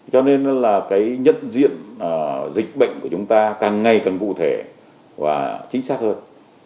cho nên là cái nhận diện dịch bệnh của chúng ta càng ngày càng cụ thể và chính xác hơn